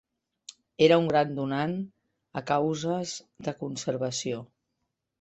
Era un gran donant a causes de conservació.